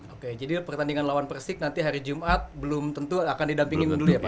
oke jadi pertandingan lawan persik nanti hari jumat belum tentu akan didampingin dulu ya pak